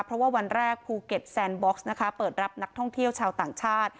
เพราะว่าวันแรกภูเก็ตแซนบ็อกซ์นะคะเปิดรับนักท่องเที่ยวชาวต่างชาติ